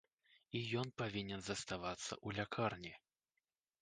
І ён павінен заставацца ў лякарні.